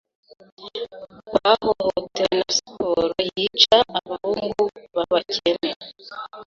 bahohotewe na siporo yica abahungu babakene